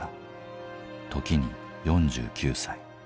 時に４９歳。